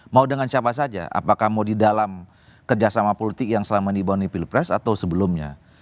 mau dengan siapa saja apakah mau di dalam kerjasama politik yang selama ini dibangun di pilpres atau sebelumnya